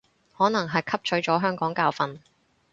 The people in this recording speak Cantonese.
可能係汲取咗香港教訓